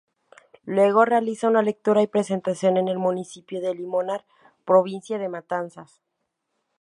Luego realiza una lectura y presentación en el Municipio de Limonar, Provincia de Matanzas.